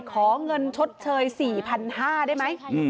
ขอเงินชดเชย๔๕๐๐ได้ไหม